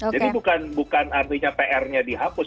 jadi bukan artinya pr nya dihapus